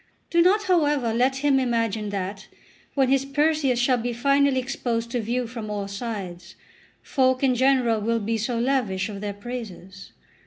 Do not, however, let him imagine that, when his Perseus shall be finally exposed to view from all sides, folk in general will be so lavish of their praises.